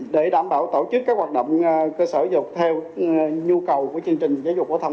để đảm bảo tổ chức các hoạt động cơ sở dục theo nhu cầu của chương trình giáo dục phổ thông